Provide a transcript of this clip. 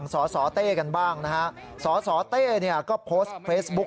สสเต้กันบ้างนะฮะสสเต้เนี่ยก็โพสต์เฟซบุ๊ค